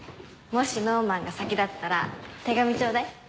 もしノーマンが先だったら手紙ちょうだい。